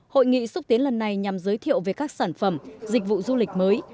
hội nghị xúc tiến lần này nhằm giới thiệu về các sản phẩm dịch vụ du lịch mới